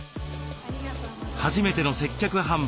初めての接客販売